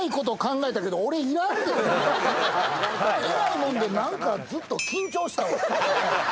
えらいもんで、俺、ずっと緊張したわ。